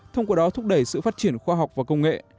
thông qua đó thúc đẩy sự phát triển khoa học và công nghệ